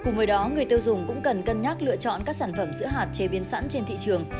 cùng với đó người tiêu dùng cũng cần cân nhắc lựa chọn các sản phẩm sữa hạt chế biến sẵn trên thị trường